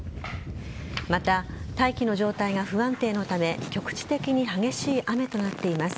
また、大気の状態が不安定のため局地的に激しい雨となっています。